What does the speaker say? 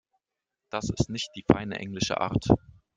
Das ist nicht die feine englische Art.